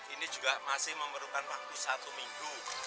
ini juga masih memerlukan waktu satu minggu